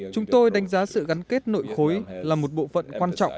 chúng tôi đánh giá sự gắn kết nội khối là một bộ phận quan trọng